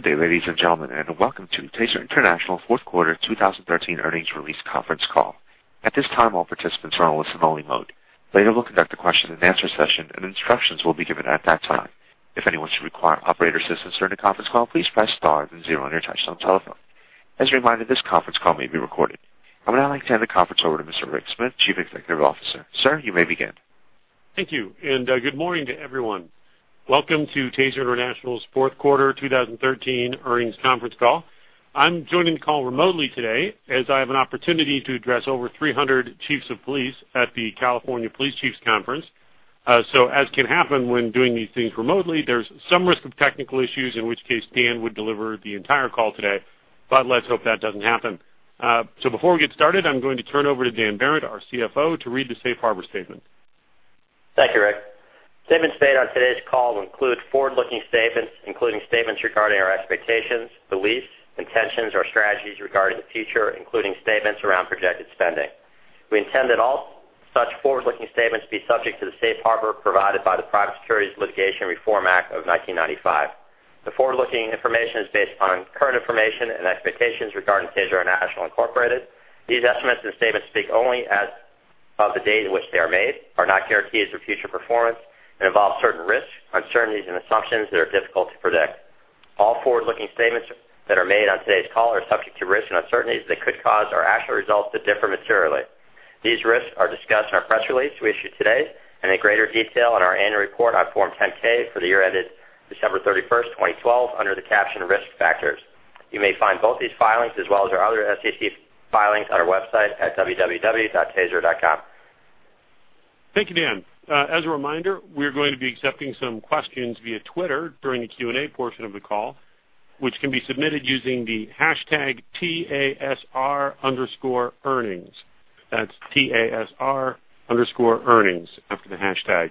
Good day, ladies and gentlemen, and welcome to TASER International fourth quarter 2013 earnings release conference call. At this time, all participants are on listen only mode. Later, we'll conduct a question and answer session, Instructions will be given at that time. If anyone should require operator assistance during the conference call, please press star then zero on your touchtone telephone. As a reminder, this conference call may be recorded. I would now like to hand the conference over to Mr. Rick Smith, Chief Executive Officer. Sir, you may begin. Thank you. Good morning to everyone. Welcome to TASER International's fourth quarter 2013 earnings conference call. I'm joining the call remotely today as I have an opportunity to address over 300 chiefs of police at the California Police Chiefs Conference. As can happen when doing these things remotely, there's some risk of technical issues, in which case Dan would deliver the entire call today, Let's hope that doesn't happen. Before we get started, I'm going to turn over to Dan Behrendt, our CFO, to read the safe harbor statement. Thank you, Rick. Statements made on today's call include forward-looking statements, including statements regarding our expectations, beliefs, intentions, or strategies regarding the future, including statements around projected spending. We intend that all such forward-looking statements be subject to the safe harbor provided by the Private Securities Litigation Reform Act of 1995. The forward-looking information is based on current information and expectations regarding TASER International Incorporated. These estimates and statements speak only as of the date on which they are made, are not guarantees of future performance, and involve certain risks, uncertainties, and assumptions that are difficult to predict. All forward-looking statements that are made on today's call are subject to risks and uncertainties that could cause our actual results to differ materially. These risks are discussed in our press release we issued today. In greater detail in our annual report on Form 10-K for the year ended December 31st, 2012, under the caption Risk Factors. You may find both these filings as well as our other SEC filings on our website at www.taser.com. Thank you, Dan. As a reminder, we are going to be accepting some questions via Twitter during the Q&A portion of the call, which can be submitted using the hashtag TASR_earnings. That's TASR_earnings after the hashtag.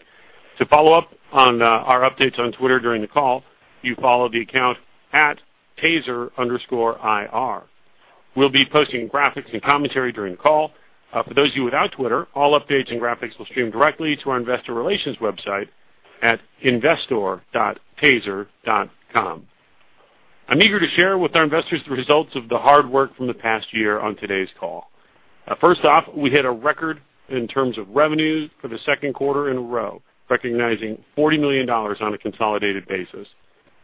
To follow up on our updates on Twitter during the call, you follow the account @TASER_IR. We will be posting graphics and commentary during the call. For those of you without Twitter, all updates and graphics will stream directly to our investor relations website at investor.taser.com. I am eager to share with our investors the results of the hard work from the past year on today's call. First off, we hit a record in terms of revenues for the second quarter in a row, recognizing $40 million on a consolidated basis.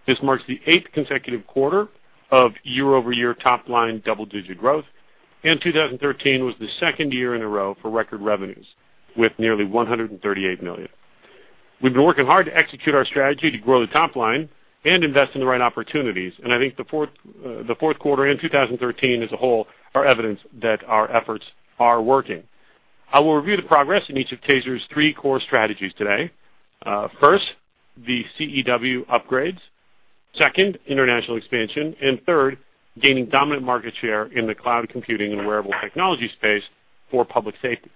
This marks the eighth consecutive quarter of year-over-year top-line double-digit growth, 2013 was the second year in a row for record revenues, with nearly $138 million. We have been working hard to execute our strategy to grow the top line and invest in the right opportunities, and I think the fourth quarter and 2013 as a whole are evidence that our efforts are working. I will review the progress in each of TASER's three core strategies today. First, the CEW upgrades, second, international expansion, and third, gaining dominant market share in the cloud computing and wearable technology space for public safety.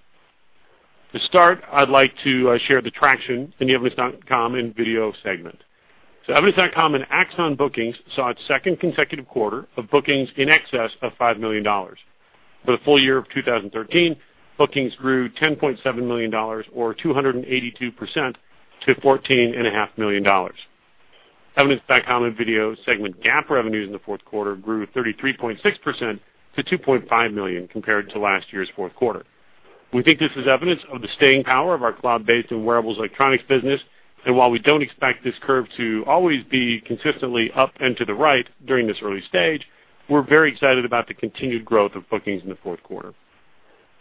To start, I would like to share the traction in the Evidence.com and video segment. Evidence.com and Axon bookings saw its second consecutive quarter of bookings in excess of $5 million. For the full year of 2013, bookings grew $10.7 million, or 282%, to $14.5 million. Evidence.com and video segment GAAP revenues in the fourth quarter grew 33.6% to $2.5 million compared to last year's fourth quarter. We think this is evidence of the staying power of our cloud-based and wearables electronics business. While we do not expect this curve to always be consistently up and to the right during this early stage, we are very excited about the continued growth of bookings in the fourth quarter.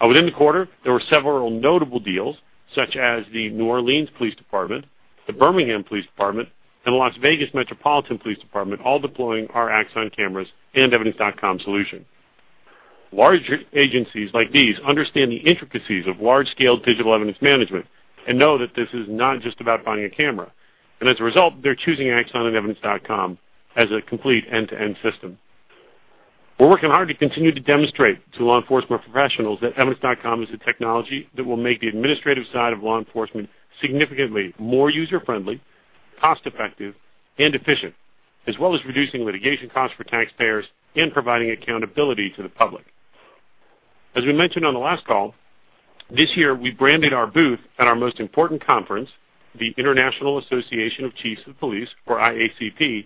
Within the quarter, there were several notable deals, such as the New Orleans Police Department, the Birmingham Police Department, and the Las Vegas Metropolitan Police Department, all deploying our Axon cameras and Evidence.com solution. Large agencies like these understand the intricacies of large-scale digital evidence management and know that this is not just about buying a camera. As a result, they are choosing Axon and Evidence.com as a complete end-to-end system. We are working hard to continue to demonstrate to law enforcement professionals that Evidence.com is the technology that will make the administrative side of law enforcement significantly more user-friendly, cost-effective, and efficient, as well as reducing litigation costs for taxpayers and providing accountability to the public. As we mentioned on the last call, this year, we branded our booth at our most important conference, the International Association of Chiefs of Police, or IACP.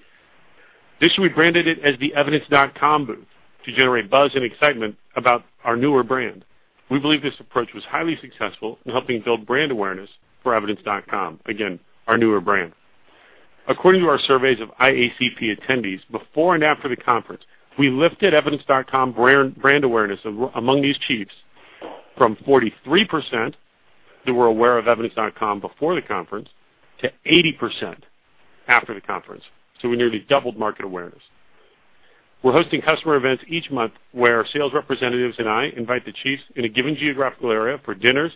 This year, we branded it as the Evidence.com booth to generate buzz and excitement about our newer brand. We believe this approach was highly successful in helping build brand awareness for Evidence.com, again, our newer brand. According to our surveys of IACP attendees before and after the conference, we lifted Evidence.com brand awareness among these chiefs from 43% who were aware of Evidence.com before the conference to 80% after the conference. We nearly doubled market awareness. We're hosting customer events each month where sales representatives and I invite the chiefs in a given geographical area for dinners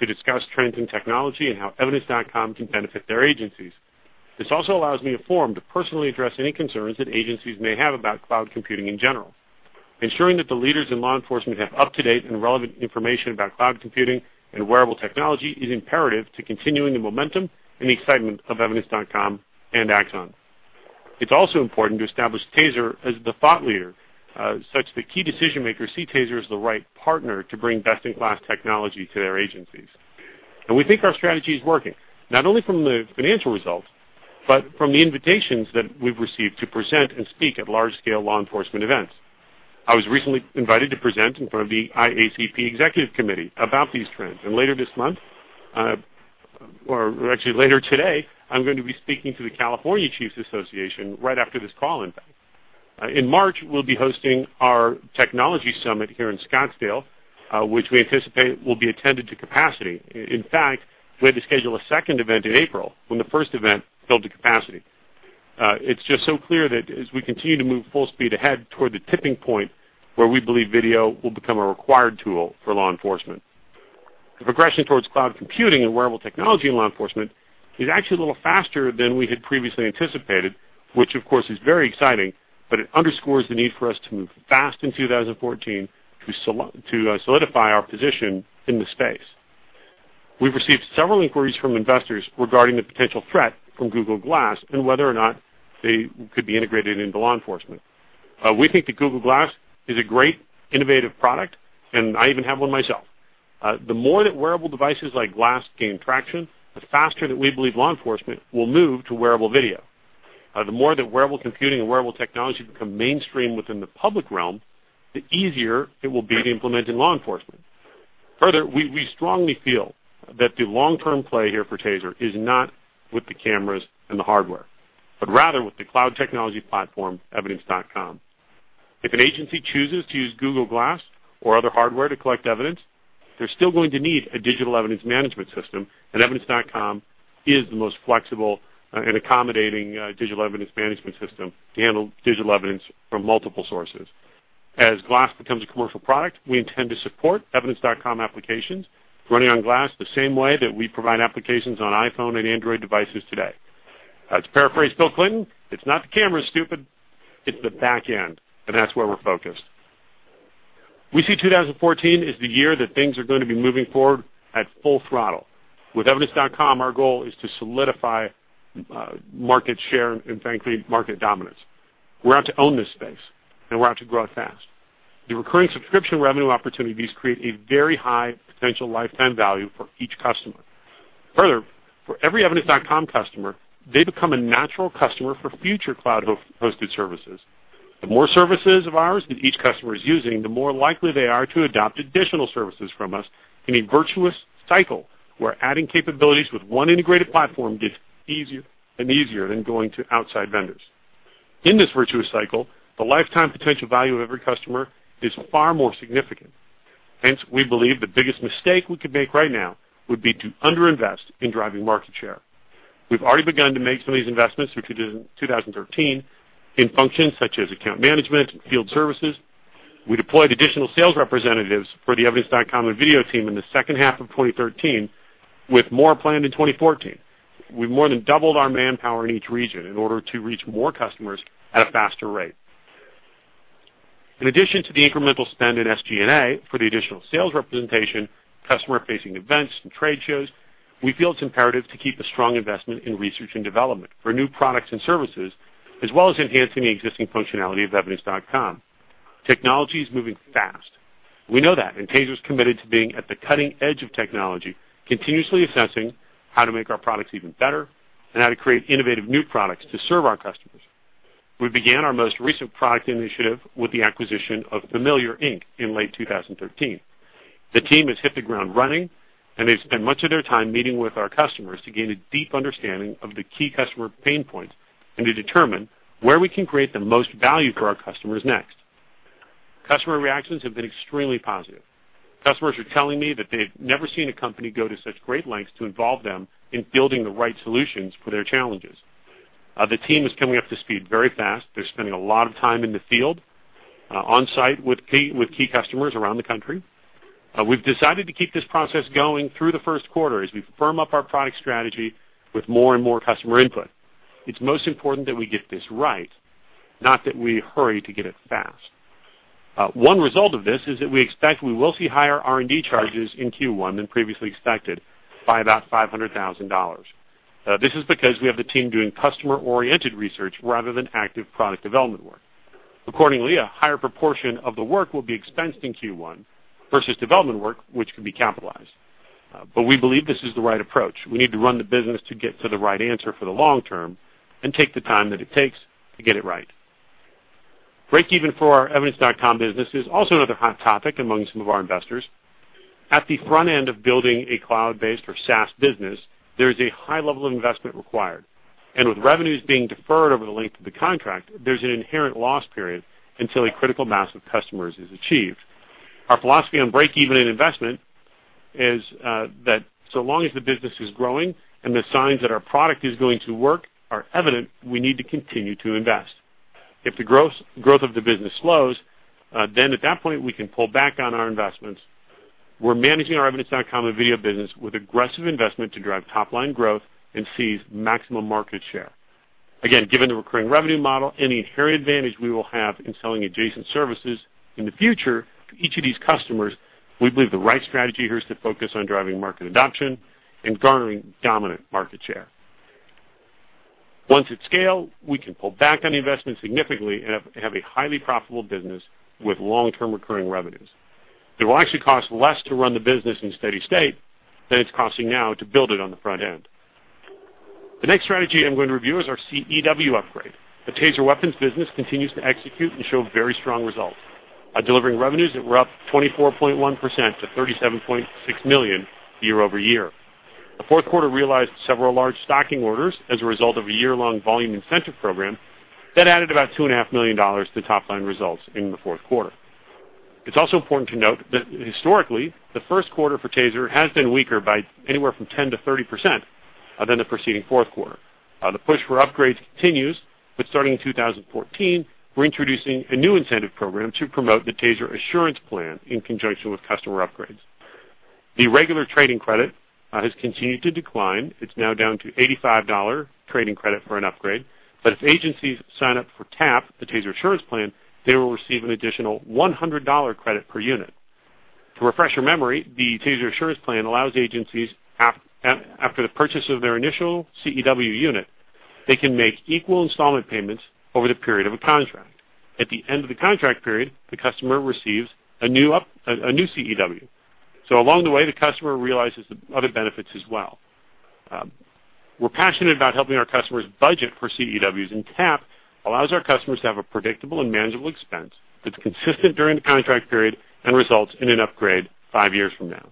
to discuss trends in technology and how Evidence.com can benefit their agencies. This also allows me a forum to personally address any concerns that agencies may have about cloud computing in general. Ensuring that the leaders in law enforcement have up-to-date and relevant information about cloud computing and wearable technology is imperative to continuing the momentum and the excitement of Evidence.com and Axon. It's also important to establish TASER as the thought leader, such that key decision-makers see TASER as the right partner to bring best-in-class technology to their agencies. We think our strategy is working, not only from the financial results, but from the invitations that we've received to present and speak at large-scale law enforcement events. I was recently invited to present in front of the IACP executive committee about these trends. Later this month, or actually later today, I'm going to be speaking to the California Police Chiefs Association right after this call, in fact. In March, we'll be hosting our technology summit here in Scottsdale, which we anticipate will be attended to capacity. In fact, we had to schedule a second event in April when the first event filled to capacity. It's just so clear that as we continue to move full speed ahead toward the tipping point where we believe video will become a required tool for law enforcement. The progression towards cloud computing and wearable technology in law enforcement is actually a little faster than we had previously anticipated, which of course is very exciting, but it underscores the need for us to move fast in 2014 to solidify our position in the space. We've received several inquiries from investors regarding the potential threat from Google Glass and whether or not they could be integrated into law enforcement. We think that Google Glass is a great innovative product, and I even have one myself. The more that wearable devices like Glass gain traction, the faster that we believe law enforcement will move to wearable video. The more that wearable computing and wearable technology become mainstream within the public realm, the easier it will be to implement in law enforcement. Further, we strongly feel that the long-term play here for TASER is not with the cameras and the hardware, but rather with the cloud technology platform, Evidence.com. If an agency chooses to use Google Glass or other hardware to collect evidence, they're still going to need a digital evidence management system, and Evidence.com is the most flexible and accommodating digital evidence management system to handle digital evidence from multiple sources. As Glass becomes a commercial product, we intend to support Evidence.com applications running on Glass the same way that we provide applications on iPhone and Android devices today. To paraphrase Bill Clinton, it's not the camera, stupid, it's the back end, that's where we're focused. We see 2014 as the year that things are going to be moving forward at full throttle. With Evidence.com, our goal is to solidify market share and frankly, market dominance. We're out to own this space, and we're out to grow it fast. The recurring subscription revenue opportunities create a very high potential lifetime value for each customer. Further, for every Evidence.com customer, they become a natural customer for future cloud-hosted services. The more services of ours that each customer is using, the more likely they are to adopt additional services from us in a virtuous cycle where adding capabilities with one integrated platform gets easier and easier than going to outside vendors. In this virtuous cycle, the lifetime potential value of every customer is far more significant. Hence, we believe the biggest mistake we could make right now would be to under-invest in driving market share. We've already begun to make some of these investments through 2013 in functions such as account management and field services. We deployed additional sales representatives for the Evidence.com and video team in the second half of 2013, with more planned in 2014. We more than doubled our manpower in each region in order to reach more customers at a faster rate. In addition to the incremental spend in SG&A for the additional sales representation, customer-facing events, and trade shows, we feel it's imperative to keep a strong investment in research and development for new products and services, as well as enhancing the existing functionality of Evidence.com. Technology is moving fast. We know that. TASER's committed to being at the cutting edge of technology, continuously assessing how to make our products even better and how to create innovative new products to serve our customers. We began our most recent product initiative with the acquisition of Familiar, Inc. in late 2013. The team has hit the ground running. They spend much of their time meeting with our customers to gain a deep understanding of the key customer pain points and to determine where we can create the most value for our customers next. Customer reactions have been extremely positive. Customers are telling me that they've never seen a company go to such great lengths to involve them in building the right solutions for their challenges. The team is coming up to speed very fast. They're spending a lot of time in the field, on-site with key customers around the country. We've decided to keep this process going through the first quarter as we firm up our product strategy with more and more customer input. It's most important that we get this right, not that we hurry to get it fast. One result of this is that we expect we will see higher R&D charges in Q1 than previously expected by about $500,000. This is because we have the team doing customer-oriented research rather than active product development work. Accordingly, a higher proportion of the work will be expensed in Q1 versus development work, which can be capitalized. We believe this is the right approach. We need to run the business to get to the right answer for the long term and take the time that it takes to get it right. Breakeven for our Evidence.com business is also another hot topic among some of our investors. At the front end of building a cloud-based or SaaS business, there is a high level of investment required. With revenues being deferred over the length of the contract, there's an inherent loss period until a critical mass of customers is achieved. Our philosophy on breakeven in investment is that so long as the business is growing and the signs that our product is going to work are evident, we need to continue to invest. If the growth of the business slows, then at that point, we can pull back on our investments. We're managing our Evidence.com and video business with aggressive investment to drive top-line growth and seize maximum market share. Again, given the recurring revenue model and the inherent advantage we will have in selling adjacent services in the future to each of these customers, we believe the right strategy here is to focus on driving market adoption and garnering dominant market share. Once at scale, we can pull back on the investment significantly and have a highly profitable business with long-term recurring revenues. It will actually cost less to run the business in steady state than it's costing now to build it on the front end. The next strategy I'm going to review is our CEW upgrade. The Taser weapons business continues to execute and show very strong results, delivering revenues that were up 24.1% to $37.6 million year-over-year. The fourth quarter realized several large stocking orders as a result of a year-long volume incentive program that added about $2.5 million to top-line results in the fourth quarter. It's also important to note that historically, the first quarter for Taser has been weaker by anywhere from 10%-30% than the preceding fourth quarter. The push for upgrades continues, but starting in 2014, we're introducing a new incentive program to promote the TASER Assurance Plan in conjunction with customer upgrades. The regular trade-in credit has continued to decline. It's now down to $85 trade-in credit for an upgrade. If agencies sign up for TAP, the TASER Assurance Plan, they will receive an additional $100 credit per unit. To refresh your memory, the TASER Assurance Plan allows agencies, after the purchase of their initial CEW unit, they can make equal installment payments over the period of a contract. At the end of the contract period, the customer receives a new CEW. Along the way, the customer realizes other benefits as well. We're passionate about helping our customers budget for CEWs, and TAP allows our customers to have a predictable and manageable expense that's consistent during the contract period and results in an upgrade five years from now.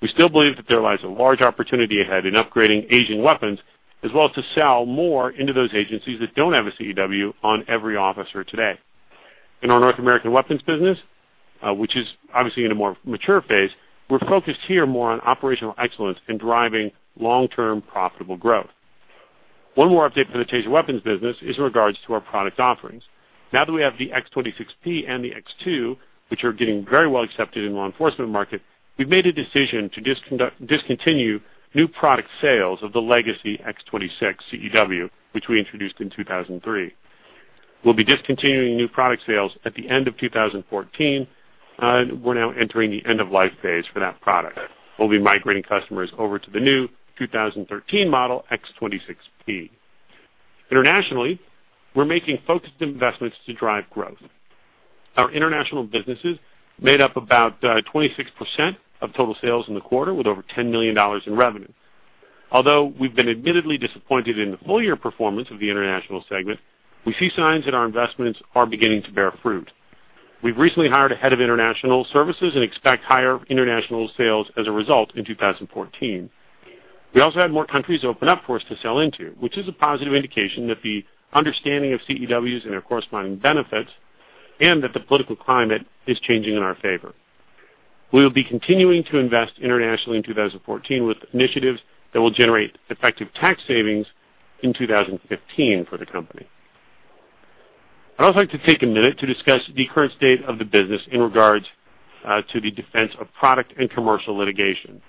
We still believe that there lies a large opportunity ahead in upgrading aging weapons, as well as to sell more into those agencies that don't have a CEW on every officer today. In our North American weapons business, which is obviously in a more mature phase, we're focused here more on operational excellence and driving long-term profitable growth. One more update for the Taser weapons business is in regards to our product offerings. Now that we have the TASER X26P and the TASER X2, which are getting very well accepted in the law enforcement market, we've made a decision to discontinue new product sales of the legacy TASER X26 CEW, which we introduced in 2003. We'll be discontinuing new product sales at the end of 2014. We're now entering the end-of-life phase for that product. We'll be migrating customers over to the new 2013 model TASER X26P. Internationally, we're making focused investments to drive growth. Our international businesses made up about 26% of total sales in the quarter, with over $10 million in revenue. Although we've been admittedly disappointed in the full-year performance of the international segment, we see signs that our investments are beginning to bear fruit. We've recently hired a head of international services and expect higher international sales as a result in 2014. We also had more countries open up for us to sell into, which is a positive indication that the understanding of CEWs and their corresponding benefits and that the political climate is changing in our favor. We will be continuing to invest internationally in 2014 with initiatives that will generate effective tax savings in 2015 for the company. I'd also like to take a minute to discuss the current state of the business in regards to the defense of product and commercial litigation.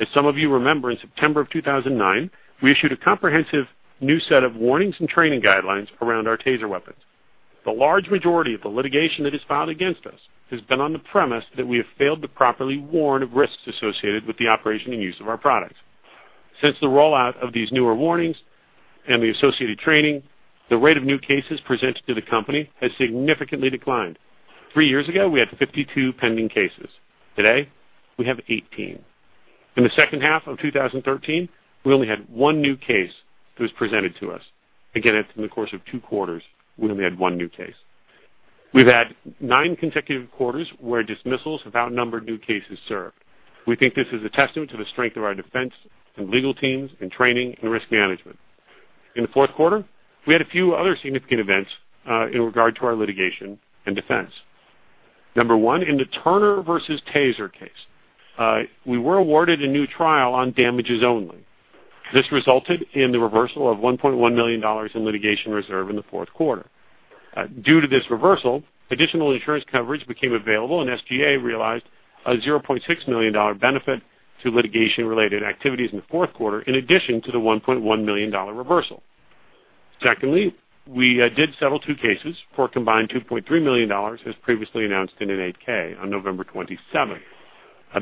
As some of you remember, in September of 2009, we issued a comprehensive new set of warnings and training guidelines around our TASER weapons. The large majority of the litigation that is filed against us has been on the premise that we have failed to properly warn of risks associated with the operation and use of our products. Since the rollout of these newer warnings and the associated training, the rate of new cases presented to the company has significantly declined. Three years ago, we had 52 pending cases. Today, we have 18. In the second half of 2013, we only had one new case that was presented to us. Again, that's in the course of two quarters, we only had one new case. We've had nine consecutive quarters where dismissals have outnumbered new cases served. We think this is a testament to the strength of our defense and legal teams in training and risk management. In the fourth quarter, we had a few other significant events in regard to our litigation and defense. Number one, in the Turner versus TASER case, we were awarded a new trial on damages only. This resulted in the reversal of $1.1 million in litigation reserve in the fourth quarter. Due to this reversal, additional insurance coverage became available, and SG&A realized a $0.6 million benefit to litigation-related activities in the fourth quarter, in addition to the $1.1 million reversal. Secondly, we did settle two cases for a combined $2.3 million, as previously announced in an 8-K on November 27th.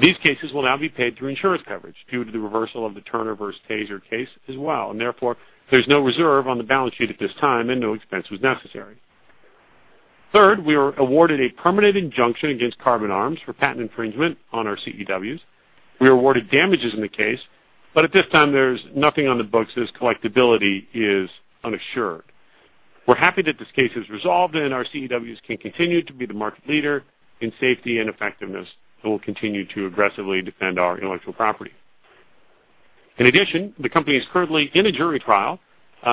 These cases will now be paid through insurance coverage due to the reversal of the Turner versus TASER case as well, and therefore, there's no reserve on the balance sheet at this time, and no expense was necessary. Third, we were awarded a permanent injunction against Karbon Arms for patent infringement on our CEWs. We were awarded damages in the case. At this time, there's nothing on the books as collectability is unassured. We're happy that this case is resolved and our CEWs can continue to be the market leader in safety and effectiveness, and we'll continue to aggressively defend our intellectual property. In addition, the company is currently in a jury trial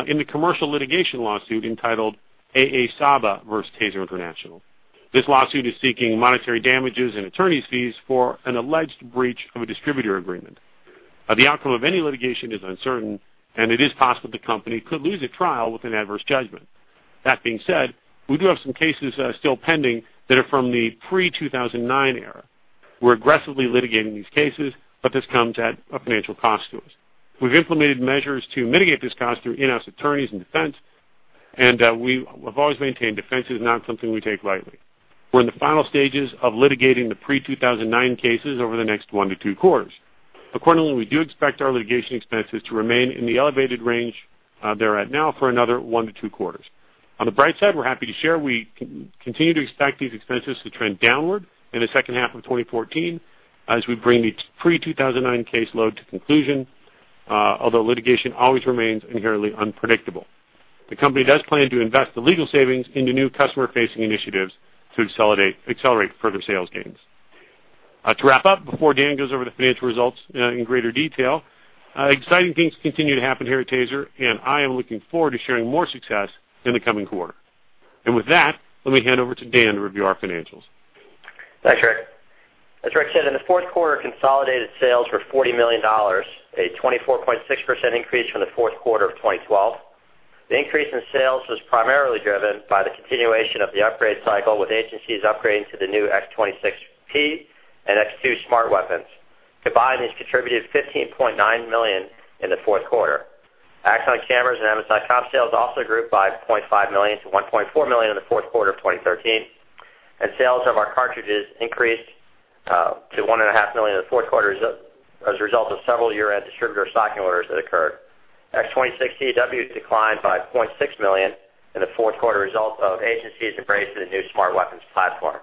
in the commercial litigation lawsuit entitled A. A. Saba versus TASER International. This lawsuit is seeking monetary damages and attorney's fees for an alleged breach of a distributor agreement. The outcome of any litigation is uncertain, and it is possible the company could lose at trial with an adverse judgment. That being said, we do have some cases still pending that are from the pre-2009 era. We're aggressively litigating these cases, but this comes at a financial cost to us. We've implemented measures to mitigate this cost through in-house attorneys and defense. We have always maintained defense is not something we take lightly. We're in the final stages of litigating the pre-2009 cases over the next one to two quarters. Accordingly, we do expect our litigation expenses to remain in the elevated range they're at now for another one to two quarters. On the bright side, we're happy to share, we continue to expect these expenses to trend downward in the second half of 2014 as we bring the pre-2009 caseload to conclusion, although litigation always remains inherently unpredictable. The company does plan to invest the legal savings into new customer-facing initiatives to accelerate further sales gains. To wrap up before Dan goes over the financial results in greater detail, exciting things continue to happen here at TASER, and I am looking forward to sharing more success in the coming quarter. With that, let me hand over to Dan to review our financials. Thanks, Rick. As Rick said, in the fourth quarter, consolidated sales were $40 million, a 24.6% increase from the fourth quarter of 2012. The increase in sales was primarily driven by the continuation of the upgrade cycle, with agencies upgrading to the new X26P and X2 Smart Weapons. Combined, these contributed $15.9 million in the fourth quarter. Axon cameras and Evidence.com sales also grew by $0.5 million to $1.4 million in the fourth quarter of 2013, and sales of our cartridges increased to $1.5 million in the fourth quarter as a result of several year-end distributor stocking orders that occurred. X26 CEW declined by $0.6 million in the fourth quarter as a result of agencies embracing the new Smart Weapons platform.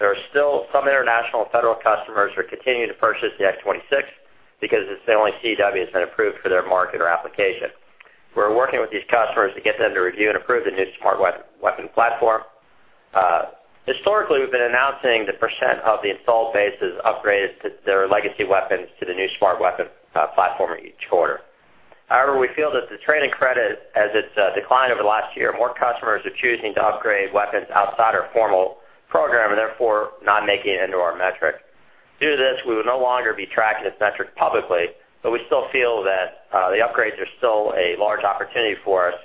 There are still some international federal customers who are continuing to purchase the X26 because it's the only CEW that's been approved for their market or application. We're working with these customers to get them to review and approve the new Smart Weapon platform. Historically, we've been announcing the percent of the installed bases upgraded to their legacy weapons to the new Smart Weapon platform each quarter. However, we feel that the trade-in credit, as it's declined over the last year, more customers are choosing to upgrade weapons outside our formal program and therefore not making it into our metric. Due to this, we will no longer be tracking this metric publicly, but we still feel that the upgrades are still a large opportunity for us,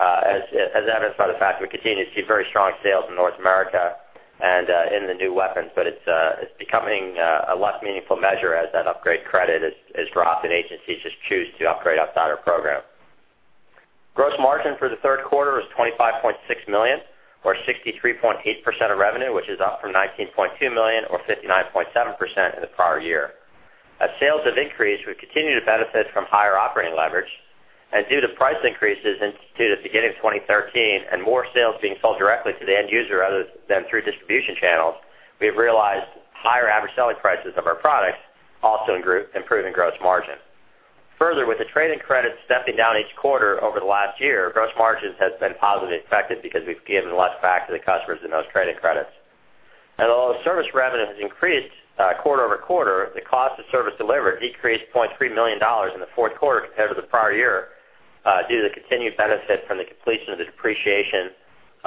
as evidenced by the fact that we continue to see very strong sales in North America and in the new weapons. It's becoming a less meaningful measure as that upgrade credit has dropped and agencies just choose to upgrade outside our program. Gross margin for the third quarter was $25.6 million, or 63.8% of revenue, which is up from $19.2 million, or 59.7%, in the prior year. As sales have increased, we've continued to benefit from higher operating leverage. Due to price increases instituted at the beginning of 2013 and more sales being sold directly to the end user other than through distribution channels, we have realized higher average selling prices of our products also improving gross margin. Further, with the trade-in credit stepping down each quarter over the last year, gross margins have been positively affected because we've given less back to the customers in those trade-in credits. Although service revenue has increased quarter-over-quarter, the cost of service delivered decreased $0.3 million in the fourth quarter compared to the prior year due to the continued benefit from the completion of the depreciation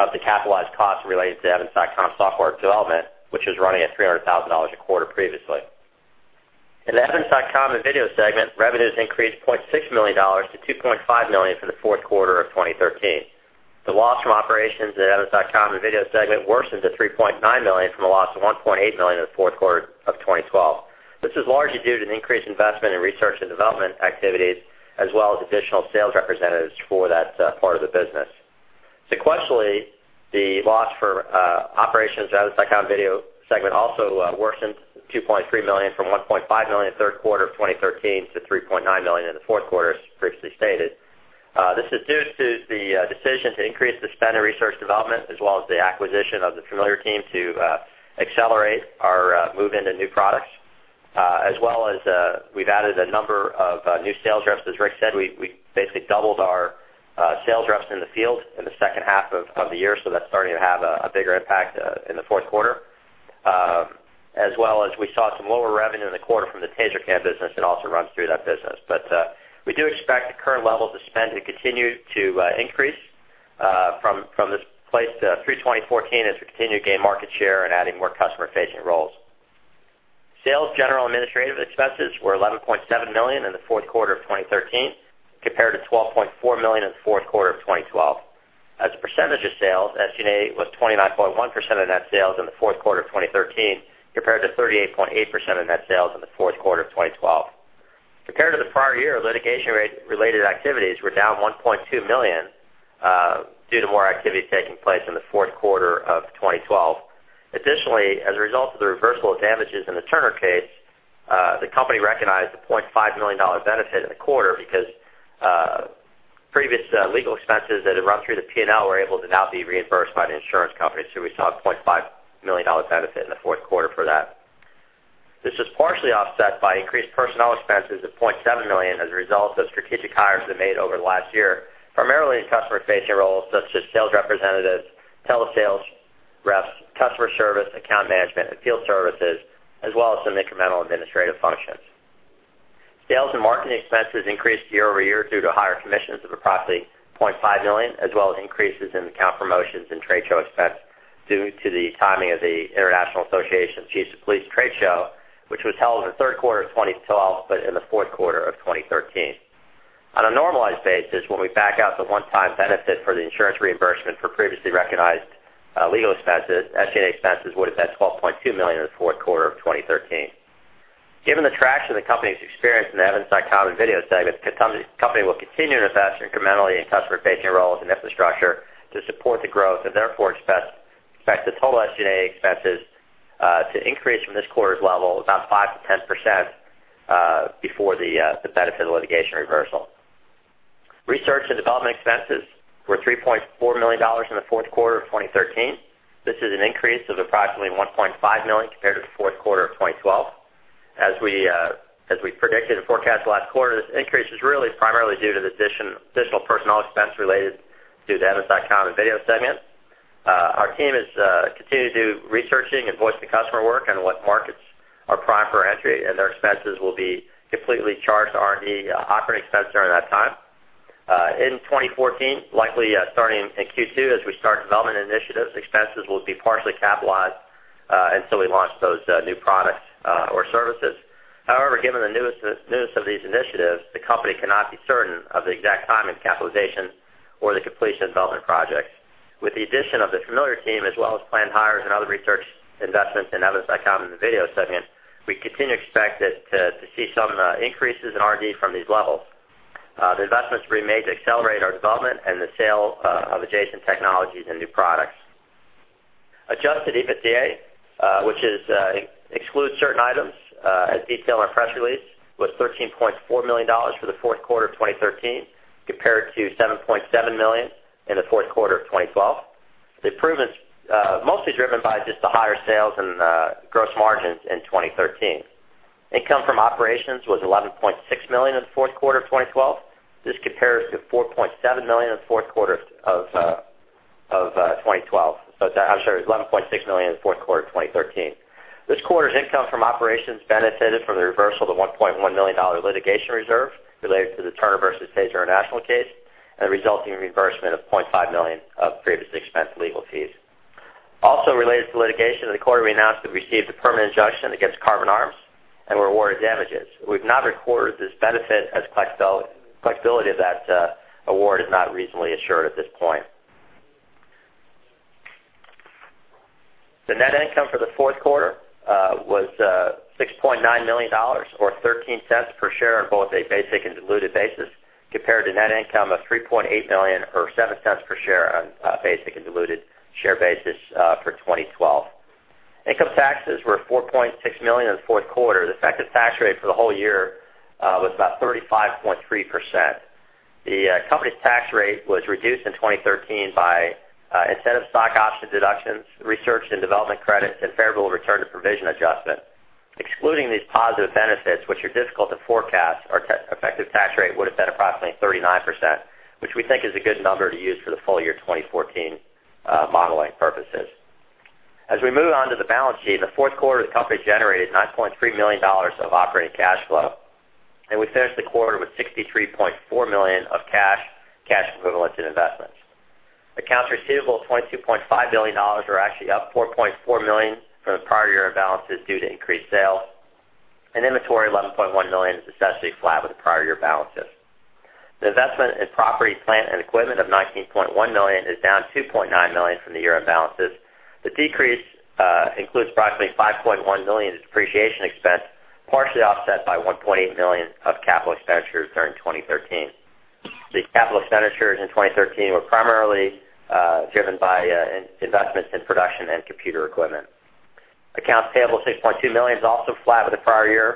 of the capitalized costs related to Evidence.com software development, which was running at $300,000 a quarter previously. In the Evidence.com and Video segment, revenues increased $0.6 million to $2.5 million for the fourth quarter of 2013. The loss from operations in the Evidence.com and Video segment worsened to $3.9 million from a loss of $1.8 million in the fourth quarter of 2012. This is largely due to the increased investment in research and development activities as well as additional sales representatives for that part of the business. Sequentially, the loss for operations in the Evidence.com and Video segment also worsened $2.3 million from $1.5 million in the third quarter of 2013 to $3.9 million in the fourth quarter, as previously stated. This is due to the decision to increase the spend in research development as well as the acquisition of the Familiar team to accelerate our move into new products. We've added a number of new sales reps. As Rick said, we basically doubled our sales reps in the field in the second half of the year, that's starting to have a bigger impact in the fourth quarter. We saw some lower revenue in the quarter from the TASER CAM business that also runs through that business. We do expect the current levels of spend to continue to increase from this place through 2014 as we continue to gain market share and adding more customer-facing roles. Sales general administrative expenses were $11.7 million in the fourth quarter of 2013, compared to $12.4 million in the fourth quarter of 2012. As a percentage of sales, SG&A was 29.1% of net sales in the fourth quarter of 2013, compared to 38.8% of net sales in the fourth quarter of 2012. Compared to the prior year, litigation-related activities were down $1.2 million due to more activity taking place in the fourth quarter of 2012. Additionally, as a result of the reversal of damages in the Turner case, the company recognized a $0.5 million benefit in the quarter because previous legal expenses that had run through the P&L were able to now be reimbursed by the insurance company. We saw a $0.5 million benefit in the fourth quarter for that. This was partially offset by increased personnel expenses of $0.7 million as a result of strategic hires we made over the last year, primarily in customer-facing roles, such as sales representatives, telesales reps, customer service, account management, and field services, as well as some incremental administrative functions. Sales and marketing expenses increased year-over-year due to higher commissions of approximately $0.5 million, as well as increases in account promotions and trade show expense due to the timing of the International Association of Chiefs of Police trade show, which was held in the third quarter of 2012, but in the fourth quarter of 2013. On a normalized basis, when we back out the one-time benefit for the insurance reimbursement for previously recognized legal expenses, SG&A expenses would have been $12.2 million in the fourth quarter of 2013. Given the traction the company's experienced in the Evidence.com and video segment, the company will continue to invest incrementally in customer-facing roles and infrastructure to support the growth and therefore expect the total SG&A expenses to increase from this quarter's level of about 5%-10% before the benefit of the litigation reversal. Research and development expenses were $3.4 million in the fourth quarter of 2013. This is an increase of approximately $1.5 million compared to the fourth quarter of 2012. As we predicted and forecast last quarter, this increase is really primarily due to the additional personnel expense related to the Evidence.com and video segment. Our team has continued to do researching and voice-of-the-customer work on what markets are prime for entry, and their expenses will be completely charged to R&D operating expense during that time. In 2014, likely starting in Q2 as we start development initiatives, expenses will be partially capitalized until we launch those new products or services. However, given the newness of these initiatives, the company cannot be certain of the exact timing of capitalization or the completion of development projects. With the addition of the Familiar team as well as planned hires and other research investments in Evidence.com and the video segment, we continue to expect to see some increases in R&D from these levels. The investments we made to accelerate our development and the sale of adjacent technologies and new products. Adjusted EBITDA, which excludes certain items as detailed in our press release, was $13.4 million for the fourth quarter of 2013, compared to $7.7 million in the fourth quarter of 2012. The improvement is mostly driven by just the higher sales and gross margins in 2013. Income from operations was $11.6 million in the fourth quarter of 2012. This compares to $4.7 million in the fourth quarter of 2012. I'm sorry, $11.6 million in the fourth quarter of 2013. This quarter's income from operations benefited from the reversal of the $1.1 million litigation reserve related to the Turner versus TASER International case, and the resulting reimbursement of $0.5 million of previously expensed legal fees. Also related to litigation, in the quarter, we announced that we received a permanent injunction against Karbon Arms and were awarded damages. We've not recorded this benefit as collectibility of that award is not reasonably assured at this point. The net income for the fourth quarter was $6.9 million, or $0.13 per share on both a basic and diluted basis, compared to net income of $3.8 million or $0.07 per share on a basic and diluted share basis for 2012. Income taxes were $4.6 million in the fourth quarter. The effective tax rate for the whole year was about 35.3%. The company's tax rate was reduced in 2013 by incentive stock option deductions, research and development credits, and favorable return to provision adjustment. Excluding these positive benefits, which are difficult to forecast, our effective tax rate would've been approximately 39%, which we think is a good number to use for the full year 2014 modeling purposes. We move on to the balance sheet, in the fourth quarter, the company generated $9.3 million of operating cash flow, and we finished the quarter with $63.4 million of cash equivalents, and investments. Accounts receivable of $22.5 million are actually up $4.4 million from the prior year balances due to increased sales. Inventory, $11.1 million, is essentially flat with the prior year balances. The investment in property, plant, and equipment of $19.1 million is down $2.9 million from the year-end balances. The decrease includes approximately $5.1 million in depreciation expense, partially offset by $1.8 million of capital expenditures during 2013. These capital expenditures in 2013 were primarily driven by investments in production and computer equipment. Accounts payable of $6.2 million is also flat with the prior year.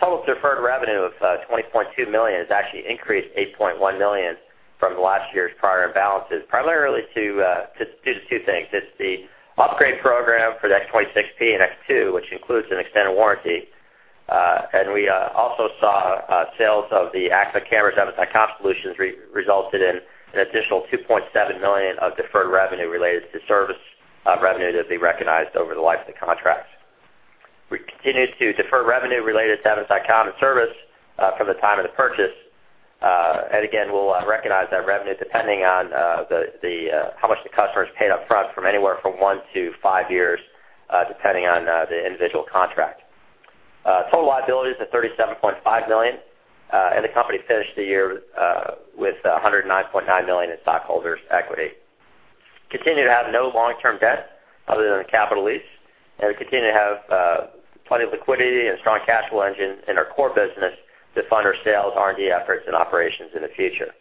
Total deferred revenue of $20.2 million has actually increased $8.1 million from last year's prior balances, primarily due to two things. It's the upgrade program for the X26P and X2, which includes an extended warranty. We also saw sales of the Axon cameras Evidence.com solutions resulted in an additional $2.7 million of deferred revenue related to service revenue that will be recognized over the life of the contract. We continue to defer revenue related to Evidence.com and service from the time of the purchase. Again, we'll recognize that revenue, depending on how much the customer has paid up front, from anywhere from one to five years, depending on the individual contract. Total liabilities of $37.5 million. The company finished the year with $109.9 million in stockholders' equity. Continue to have no long-term debt other than the capital lease, and we continue to have plenty of liquidity and a strong cash flow engine in our core business to fund our sales, R&D efforts, and operations in the future.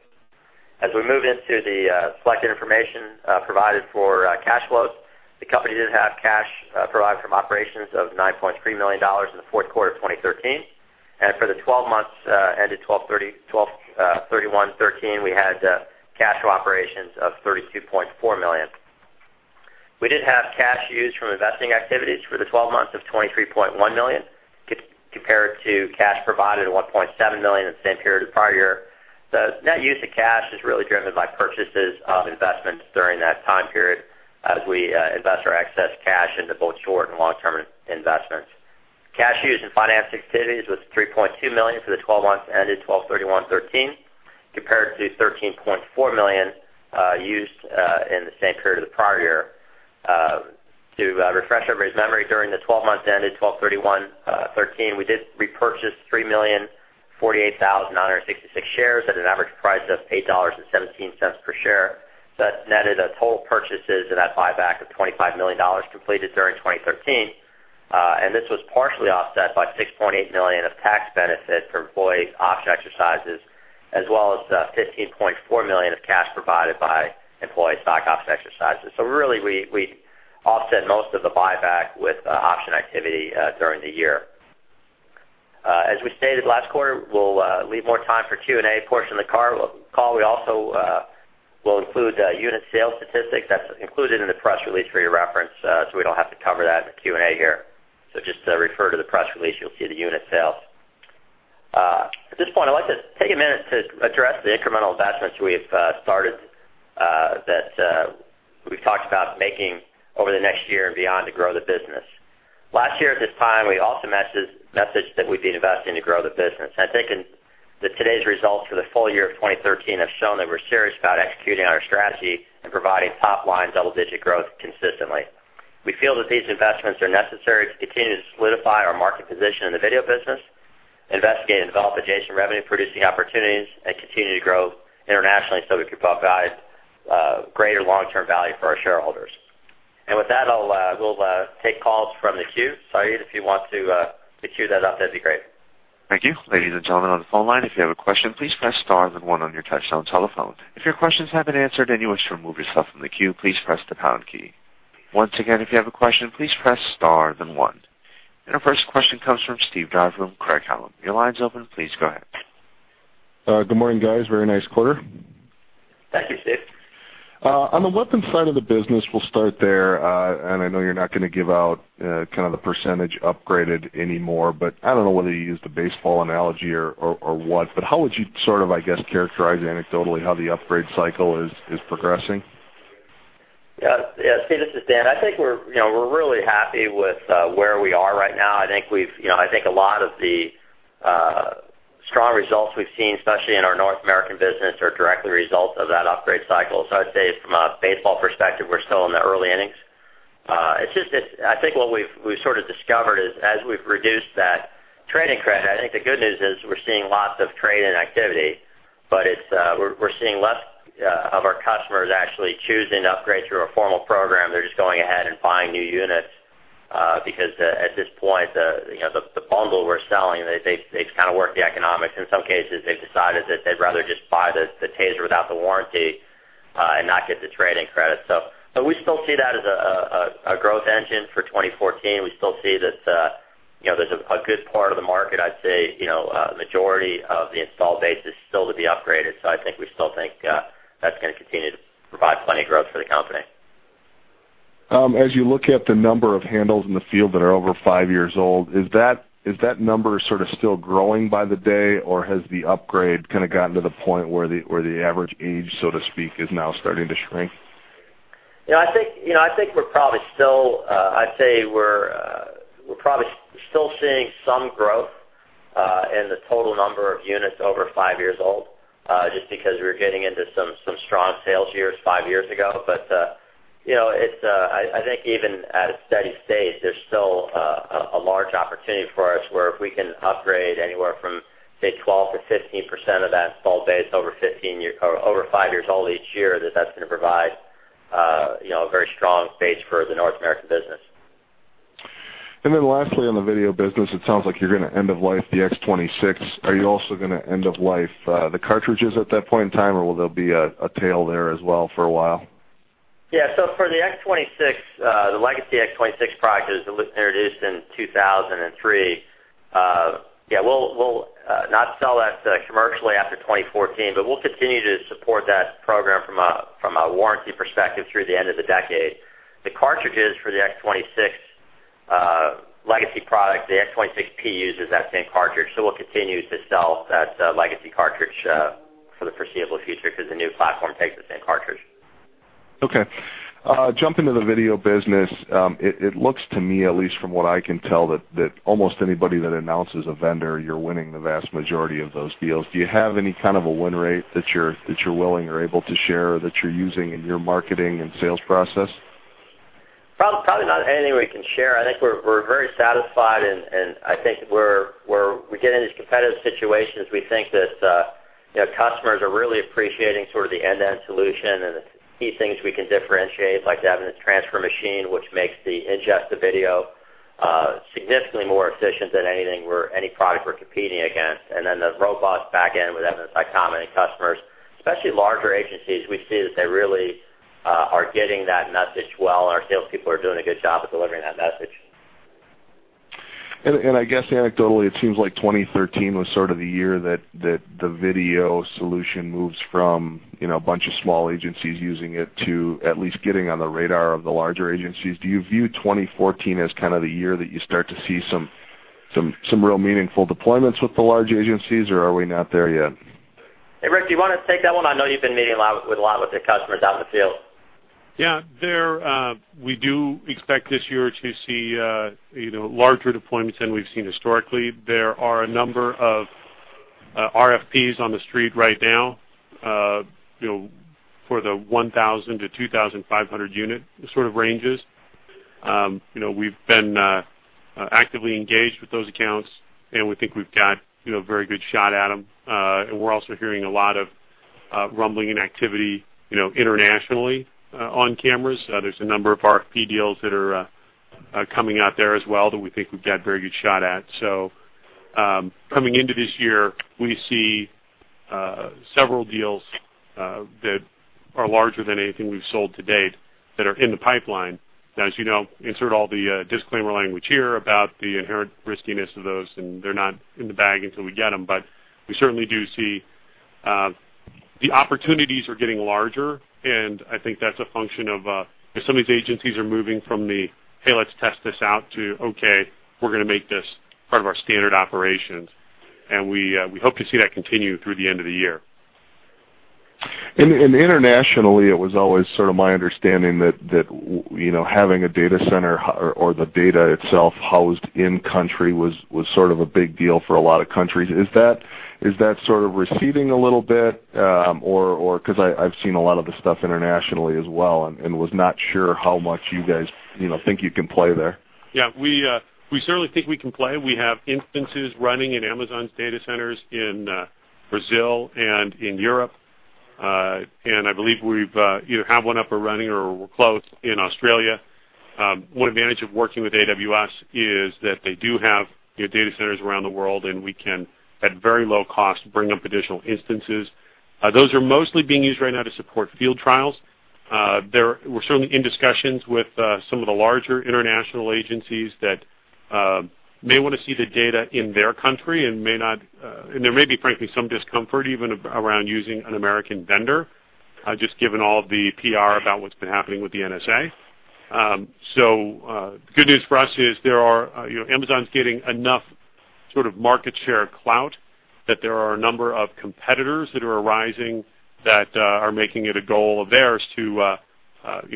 We move into the selected information provided for cash flows, the company did have cash provided from operations of $9.3 million in the fourth quarter of 2013. For the 12 months ended 12/31/2013, we had cash from operations of $32.4 million. We did have cash used from investing activities for the 12 months of $23.1 million, compared to cash provided, $1.7 million, in the same period of the prior year. The net use of cash is really driven by purchases of investments during that time period, as we invest our excess cash into both short- and long-term investments. Cash used in financing activities was $3.2 million for the 12 months ended 12/31/2013, compared to $13.4 million used in the same period of the prior year. To refresh everybody's memory, during the 12 months ended 12/31/2013, we did repurchase 3,048,966 shares at an average price of $8.17 per share. That netted a total purchases in that buyback of $25 million completed during 2013. This was partially offset by $6.8 million of tax benefit from employee option exercises, as well as $15.4 million of cash provided by employee stock option exercises. Really, we offset most of the buyback with option activity during the year. As we stated last quarter, we'll leave more time for Q&A portion of the call. We also will include unit sales statistics. That's included in the press release for your reference, so we don't have to cover that in the Q&A here. Just refer to the press release, you'll see the unit sales. At this point, I'd like to take a minute to address the incremental investments we've started that we've talked about making over the next year and beyond to grow the business. Last year, at this time, we also messaged that we'd be investing to grow the business. I think that today's results for the full year of 2013 have shown that we're serious about executing on our strategy and providing top-line double-digit growth consistently. We feel that these investments are necessary to continue to solidify our market position in the video business, investigate and develop adjacent revenue-producing opportunities, and continue to grow internationally so we can provide greater long-term value for our shareholders. With that, we'll take calls from the queue. Sayeed, if you want to queue that up, that'd be great. Thank you. Ladies and gentlemen on the phone line, if you have a question, please press star then one on your touchtone telephone. If your questions have been answered and you wish to remove yourself from the queue, please press the pound key. Once again, if you have a question, please press star then one. Our first question comes from Steve Dyer from Craig-Hallum. Your line's open. Please go ahead. Good morning, guys. Very nice quarter. Thank you, Steve. On the weapons side of the business, we'll start there. I know you're not going to give out kind of the % upgraded anymore. I don't know whether you use the baseball analogy or what, how would you sort of, I guess, characterize anecdotally how the upgrade cycle is progressing? Steve, this is Dan. I think we're really happy with where we are right now. I think a lot of the strong results we've seen, especially in our North American business, are directly a result of that upgrade cycle. I'd say from a baseball perspective, we're still in the early innings. I think what we've sort of discovered is as we've reduced that trade-in credit, I think the good news is we're seeing lots of trade-in activity, but we're seeing less of our customers actually choosing to upgrade through a formal program. They're just going ahead and buying new units because at this point, the bundle we're selling, they kind of work the economics. In some cases, they've decided that they'd rather just buy the TASER without the warranty and not get the trade-in credit. We still see that as a growth engine for 2014. We still see that there's a good part of the market. I'd say, a majority of the install base is still to be upgraded. I think we still think that's going to continue to provide plenty of growth for the company. As you look at the number of handles in the field that are over five years old, is that number sort of still growing by the day, or has the upgrade kind of gotten to the point where the average age, so to speak, is now starting to shrink? I think we're probably still seeing some growth in the total number of units over five years old, just because we were getting into some strong sales years five years ago. I think even at a steady state, there's still a large opportunity for us where if we can upgrade anywhere from, say, 12%-15% of that install base over five years old each year, that that's going to provide a very strong base for the North American business. Lastly, on the video business, it sounds like you're going to end of life the TASER X26. Are you also going to end of life the cartridges at that point in time, or will there be a tail there as well for a while? For the TASER X26, the legacy TASER X26 product that was introduced in 2003, we'll not sell that commercially after 2014, but we'll continue to support that program from a warranty perspective through the end of the decade. The cartridges for the TASER X26 legacy product, the TASER X26P uses that same cartridge, so we'll continue to sell that legacy cartridge for the foreseeable future because the new platform takes the same cartridge. Okay. Jumping to the video business. It looks to me, at least from what I can tell, that almost anybody that announces a vendor, you're winning the vast majority of those deals. Do you have any kind of a win rate that you're willing or able to share that you're using in your marketing and sales process? Probably not anything we can share. I think we're very satisfied. I think we get in these competitive situations. We think that customers are really appreciating sort of the end-to-end solution and the key things we can differentiate, like the Evidence Transfer Manager, which makes the ingest of video significantly more efficient than any product we're competing against. The robust back end with Evidence.com. Customers, especially larger agencies, we see that they really are getting that message well, and our salespeople are doing a good job of delivering that message. I guess anecdotally, it seems like 2013 was sort of the year that the video solution moves from a bunch of small agencies using it to at least getting on the radar of the larger agencies. Do you view 2014 as kind of the year that you start to see some real meaningful deployments with the large agencies, or are we not there yet? Hey, Rick, do you want to take that one? I know you've been meeting a lot with the customers out in the field. Yeah. We do expect this year to see larger deployments than we've seen historically. There are a number of RFPs on the street right now for the 1,000 to 2,500 unit sort of ranges. We've been actively engaged with those accounts, and we think we've got a very good shot at them. We're also hearing a lot of rumbling and activity internationally on cameras. There's a number of RFP deals that are coming out there as well that we think we've got a very good shot at. Coming into this year, we see several deals that are larger than anything we've sold to date that are in the pipeline. Now, as you know, insert all the disclaimer language here about the inherent riskiness of those, and they're not in the bag until we get them. We certainly do see the opportunities are getting larger, and I think that's a function of some of these agencies are moving from the, "Hey, let's test this out," to, "Okay, we're going to make this part of our standard operations." We hope to see that continue through the end of the year. Internationally, it was always sort of my understanding that having a data center or the data itself housed in-country was sort of a big deal for a lot of countries. Is that sort of receding a little bit? I've seen a lot of the stuff internationally as well and was not sure how much you guys think you can play there. Yeah, we certainly think we can play. We have instances running in Amazon's data centers in Brazil and in Europe. I believe we either have one up or running or we're close in Australia. One advantage of working with AWS is that they do have data centers around the world, and we can, at very low cost, bring up additional instances. Those are mostly being used right now to support field trials. We're certainly in discussions with some of the larger international agencies that may want to see the data in their country, and there may be, frankly, some discomfort even around using an American vendor, just given all the PR about what's been happening with the NSA. Good news for us is Amazon's getting enough sort of market share clout that there are a number of competitors that are arising that are making it a goal of theirs to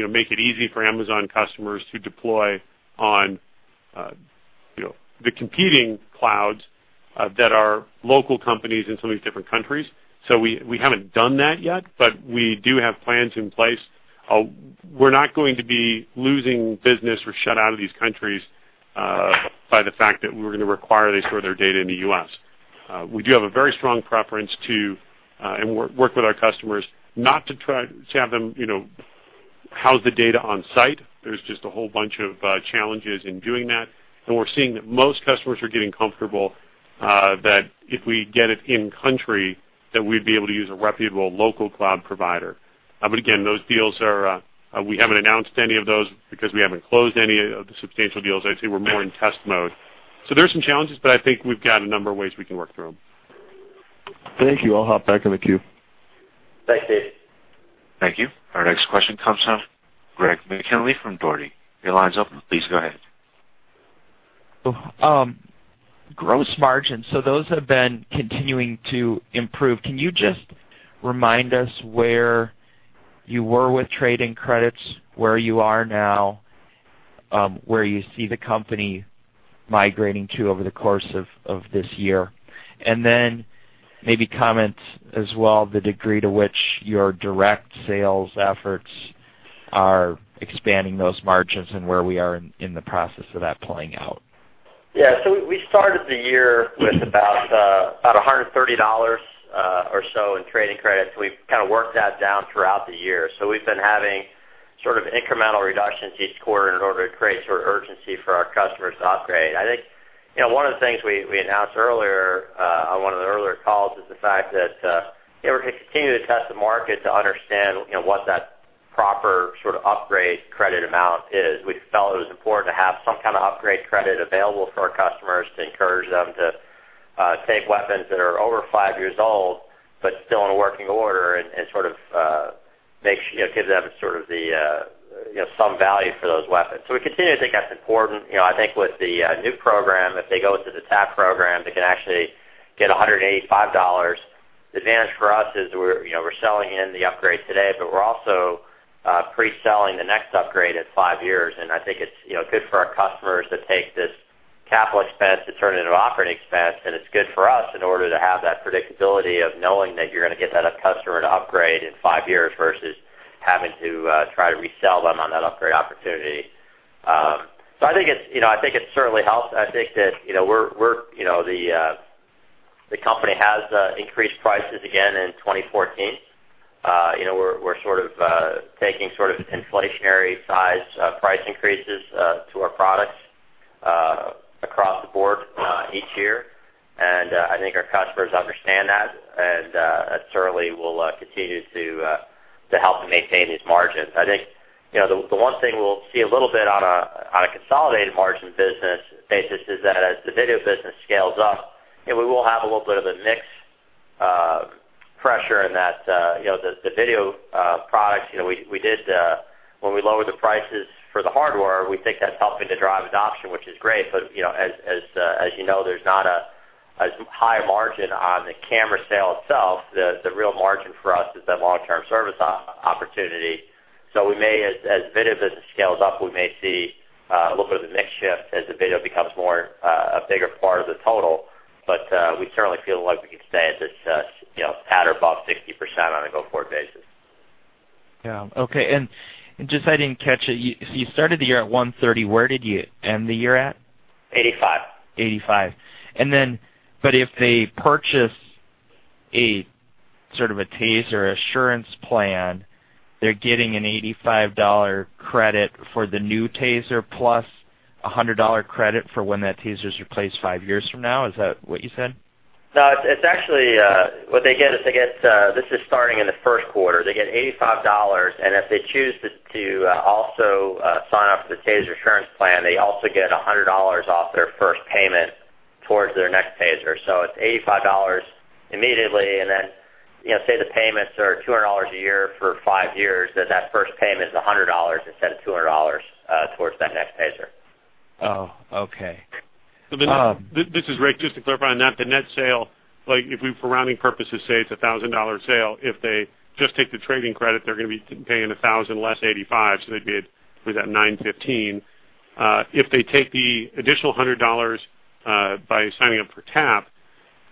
make it easy for Amazon customers to deploy on the competing clouds that are local companies in some of these different countries. We haven't done that yet, but we do have plans in place. We're not going to be losing business or shut out of these countries by the fact that we're going to require they store their data in the U.S. We do have a very strong preference to, and work with our customers, not to try to have them house the data on site. There's just a whole bunch of challenges in doing that. We're seeing that most customers are getting comfortable that if we get it in country, that we'd be able to use a reputable local cloud provider. Again, those deals are, we haven't announced any of those because we haven't closed any of the substantial deals. I'd say we're more in test mode. There are some challenges, but I think we've got a number of ways we can work through them. Thank you. I'll hop back in the queue. Thanks, Steve. Thank you. Our next question comes from Greg McKinley from Dougherty. Your line's open. Please go ahead. Gross margins. Those have been continuing to improve. Can you just remind us where you were with trading credits, where you are now, where you see the company migrating to over the course of this year? Maybe comment as well the degree to which your direct sales efforts are expanding those margins and where we are in the process of that playing out. Yeah. We started the year with about $130 or so in trading credits. We've kind of worked that down throughout the year. We've been having sort of incremental reductions each quarter in order to create sort of urgency for our customers to upgrade. I think one of the things we announced earlier on one of the earlier calls is the fact that we're going to continue to test the market to understand what that proper sort of upgrade credit amount is. We felt it was important to have some kind of upgrade credit available for our customers to encourage them to take weapons that are over five years old, but still in working order and sort of give them some value for those weapons. We continue to think that's important. I think with the NOC program, if they go through the TAP program, they can actually get $185. The advantage for us is we're selling in the upgrade today, but we're also pre-selling the next upgrade at five years, I think it's good for our customers to take this capital expense to turn it into operating expense. It's good for us in order to have that predictability of knowing that you're going to get that customer to upgrade in five years versus having to try to resell them on that upgrade opportunity. I think it certainly helps. I think that the company has increased prices again in 2014. We're sort of taking inflationary size price increases to our products across the board each year, I think our customers understand that certainly will continue to help maintain these margins. I think the one thing we'll see a little bit on a consolidated margin basis is that as the video business scales up, we will have a little bit of a mix pressure in that the video products, when we lowered the prices for the hardware, we think that's helping to drive adoption, which is great. As you know, there's not a high margin on the camera sale itself. The real margin for us is that long-term service opportunity. As video business scales up, we may see a little bit of a mix shift as the video becomes a bigger part of the total. We certainly feel like we can stay at this pattern above 60% on a go-forward basis. Yeah. Okay. Just, I didn't catch it. You started the year at $130. Where did you end the year at? Eighty-five. 85. If they purchase a sort of TASER Assurance Plan, they're getting an $85 credit for the new TASER plus $100 credit for when that TASER's replaced five years from now. Is that what you said? No. What they get is, this is starting in the first quarter. They get $85, and if they choose to also sign up for the TASER Assurance Plan, they also get $100 off their first payment towards their next TASER. It's $85 immediately and then, say the payments are $200 a year for five years, then that first payment is $100 instead of $200 towards that next TASER. Oh, okay. This is Rick. Just to clarify on that, the net sale, like if we, for rounding purposes, say it's a $1,000 sale, if they just take the trade-in credit, they're going to be paying $1,000 less $85, so they'd be at $915. If they take the additional $100 by signing up for TAP,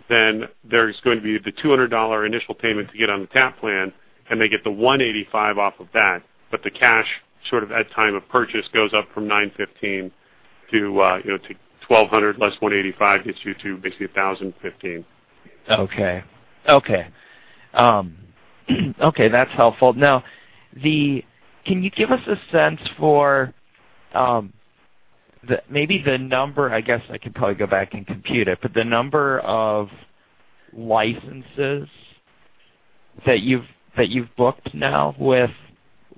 there's going to be the $200 initial payment to get on the TAP plan, and they get the $185 off of that. The cash sort of at time of purchase goes up from $915 to $1,200 less $185 gets you to basically $1,015. Okay. That's helpful. Can you give us a sense for maybe the number, I guess I could probably go back and compute it, the number of licenses that you've booked now with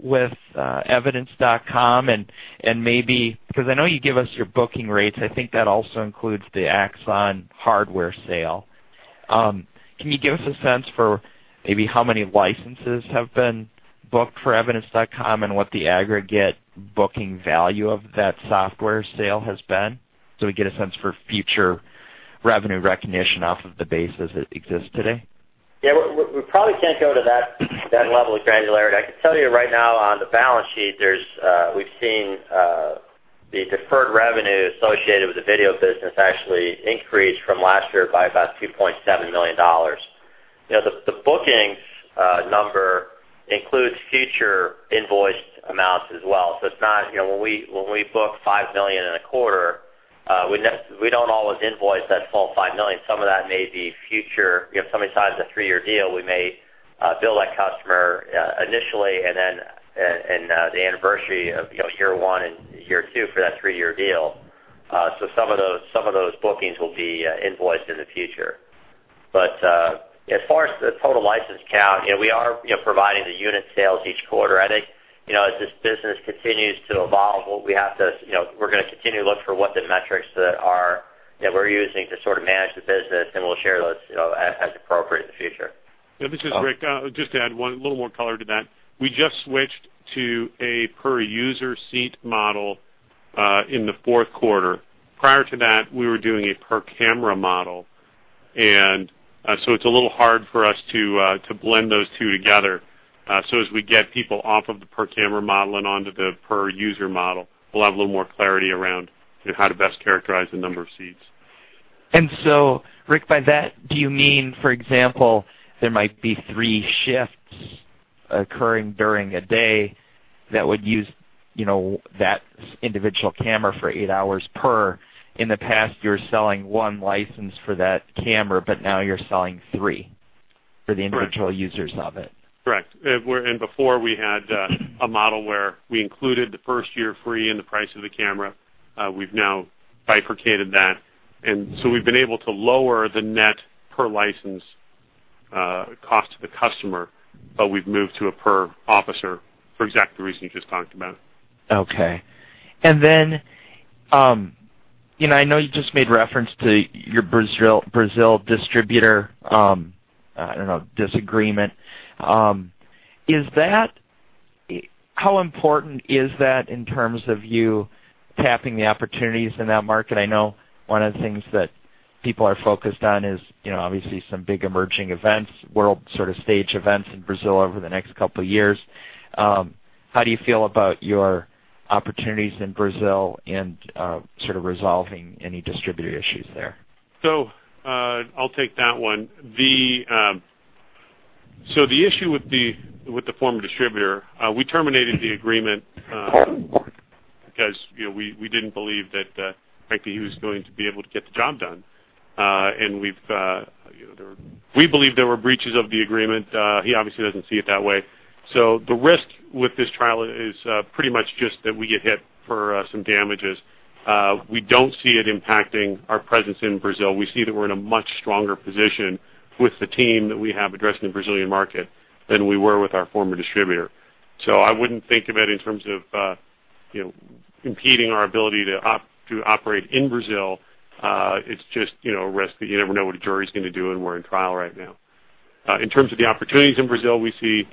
Evidence.com and maybe, because I know you give us your booking rates. I think that also includes the Axon hardware sale. Can you give us a sense for maybe how many licenses have been booked for Evidence.com and what the aggregate booking value of that software sale has been, so we get a sense for future revenue recognition off of the base as it exists today? Yeah. We probably can't go to that level of granularity. I can tell you right now on the balance sheet, we've seen the deferred revenue associated with the video business actually increase from last year by about $2.7 million. The bookings number includes future invoiced amounts as well. It's not, when we book $5 million in a quarter, we don't always invoice that full $5 million. Some of that may be future. If somebody signs a three-year deal, we may bill that customer initially and then the anniversary of year one and year two for that three-year deal. Some of those bookings will be invoiced in the future. As far as the total license count, we are providing the unit sales each quarter. I think, as this business continues to evolve, we're going to continue to look for what the metrics that we're using to sort of manage the business, and we'll share those, as appropriate in the future. Yeah, this is Rick. Just to add a little more color to that. We just switched to a per user seat model in the fourth quarter. Prior to that, we were doing a per camera model. It's a little hard for us to blend those two together. As we get people off of the per camera model and onto the per user model, we'll have a little more clarity around how to best characterize the number of seats. Rick, by that do you mean, for example, there might be three shifts occurring during a day that would use that individual camera for eight hours per. In the past, you were selling one license for that camera, but now you're selling three for the individual users of it. Correct. Before we had a model where we included the first year free in the price of the camera. We've now bifurcated that, and so we've been able to lower the net per license cost to the customer, but we've moved to a per officer for exactly the reason you just talked about. Okay. I know you just made reference to your Brazil distributor, I don't know, disagreement. How important is that in terms of you tapping the opportunities in that market? I know one of the things that people are focused on is obviously some big emerging events, world sort of stage events in Brazil over the next couple of years. How do you feel about your opportunities in Brazil and sort of resolving any distributor issues there? I'll take that one. The issue with the former distributor, we terminated the agreement because we didn't believe that frankly he was going to be able to get the job done. We believe there were breaches of the agreement. He obviously doesn't see it that way. The risk with this trial is pretty much just that we get hit for some damages. We don't see it impacting our presence in Brazil. We see that we're in a much stronger position with the team that we have addressing the Brazilian market than we were with our former distributor. I wouldn't think of it in terms of impeding our ability to operate in Brazil. It's just a risk that you never know what a jury's going to do, and we're in trial right now. In terms of the opportunities in Brazil, we see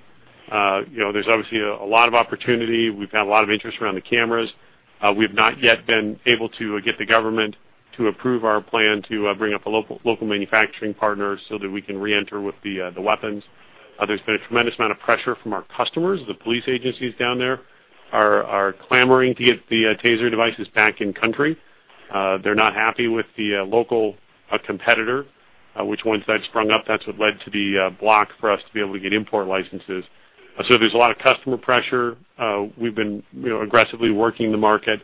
there's obviously a lot of opportunity. We've had a lot of interest around the cameras. We've not yet been able to get the government to approve our plan to bring up a local manufacturing partner so that we can reenter with the weapons. There's been a tremendous amount of pressure from our customers. The police agencies down there are clamoring to get the TASER devices back in country. They're not happy with the local competitor, which once that sprung up, that's what led to the block for us to be able to get import licenses. There's a lot of customer pressure. We've been aggressively working the market.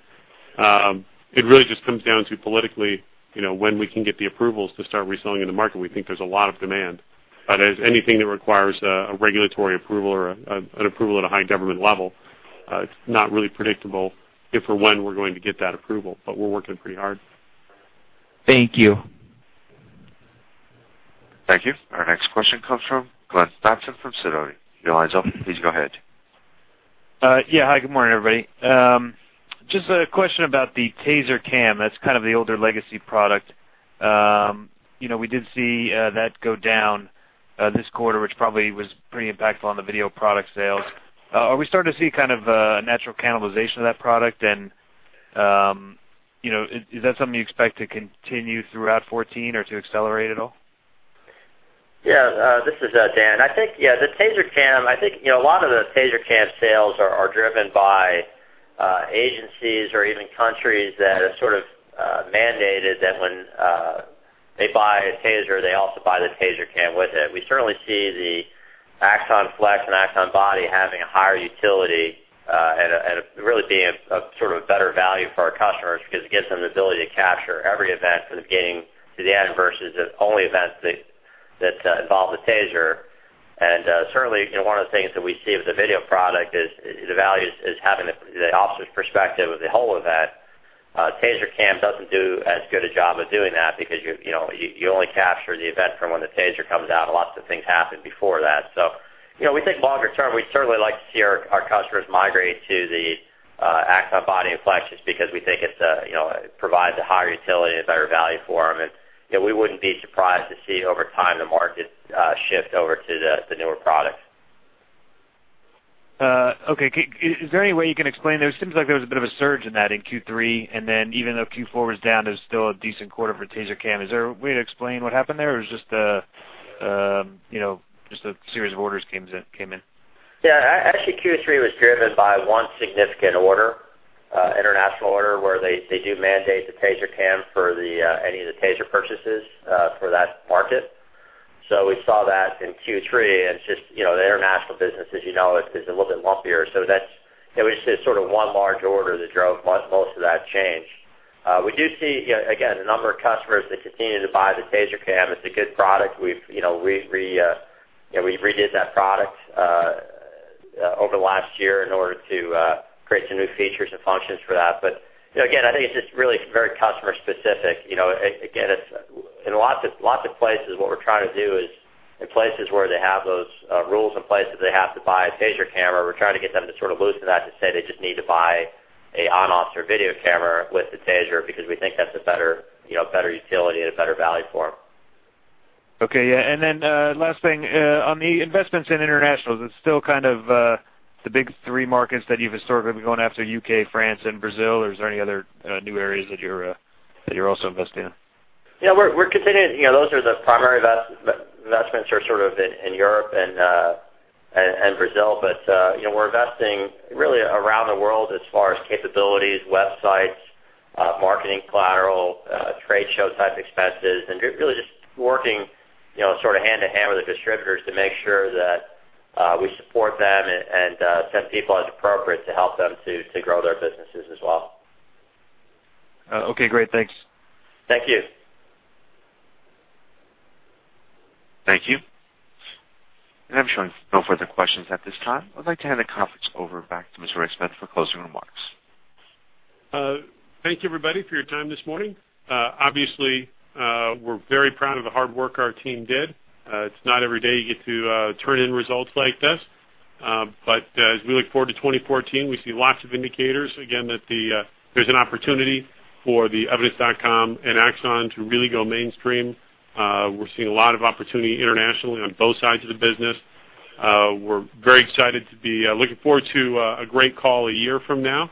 It really just comes down to politically, when we can get the approvals to start reselling in the market. We think there's a lot of demand. As anything that requires a regulatory approval or an approval at a high government level, it's not really predictable if or when we're going to get that approval. We're working pretty hard. Thank you. Thank you. Our next question comes from Glenn Mattson from Sidoti & Company. Your line's open. Please go ahead. Hi, good morning, everybody. Just a question about the TASER CAM. That's kind of the older legacy product. We did see that go down this quarter, which probably was pretty impactful on the video product sales. Are we starting to see kind of a natural cannibalization of that product? Is that something you expect to continue throughout 2014 or to accelerate at all? This is Dan. The TASER CAM, a lot of the TASER CAM sales are driven by agencies or even countries that have sort of mandated that when they buy a TASER, they also buy the TASER CAM with it. We certainly see the Axon Flex and Axon Body having a higher utility, and really being a sort of better value for our customers because it gives them the ability to capture every event from the beginning to the end versus the only events that involve the TASER. Certainly, one of the things that we see with the video product is the value is having the officer's perspective of the whole event. TASER CAM doesn't do as good a job of doing that because you only capture the event from when the TASER comes out. Lots of things happen before that. We think longer term, we'd certainly like to see our customers migrate to the Axon Body and Axon Flex just because we think it provides a higher utility and a better value for them. We wouldn't be surprised to see over time the market shift over to the newer products. Okay. Is there any way you can explain, it seems like there was a bit of a surge in that in Q3, and then even though Q4 was down, there's still a decent quarter for TASER CAM. Is there a way to explain what happened there, or it was just a series of orders came in? Yeah. Actually, Q3 was driven by one significant order, international order, where they do mandate the TASER CAM for any of the TASER purchases for that market. We saw that in Q3, and it's just the international business, as you know, is a little bit lumpier. That's, it was just sort of one large order that drove most of that change. We do see, again, a number of customers that continue to buy the TASER CAM. It's a good product. We redid that product over the last year in order to create some new features and functions for that. Again, I think it's just really very customer specific. Again, in lots of places, what we're trying to do is in places where they have those rules in place that they have to buy a TASER CAM, we're trying to get them to sort of loosen that to say they just need to buy an on-officer video camera with the TASER because we think that's a better utility and a better value for them. Okay. Yeah, then last thing, on the investments in internationals, it's still kind of the big three markets that you've historically been going after, U.K., France, and Brazil, is there any other new areas that you're also investing in? Yeah, we're continuing. Those are the primary investments are sort of in Europe and Brazil. We're investing really around the world as far as capabilities, websites, marketing collateral, trade show type expenses, and really just working sort of hand-in-hand with the distributors to make sure that we support them and send people as appropriate to help them to grow their businesses as well. Okay, great. Thanks. Thank you. Thank you. I'm showing no further questions at this time. I'd like to hand the conference over back to Mr. Rick Smith for closing remarks. Thank you, everybody, for your time this morning. Obviously, we're very proud of the hard work our team did. It's not every day you get to turn in results like this. As we look forward to 2014, we see lots of indicators, again, that there's an opportunity for the Evidence.com and Axon to really go mainstream. We're seeing a lot of opportunity internationally on both sides of the business. We're very excited to be looking forward to a great call a year from now.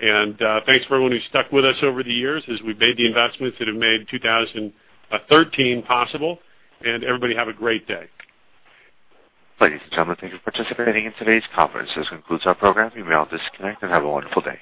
Thanks for everyone who stuck with us over the years as we made the investments that have made 2013 possible. Everybody have a great day. Ladies and gentlemen, thank you for participating in today's conference. This concludes our program. You may all disconnect, and have a wonderful day.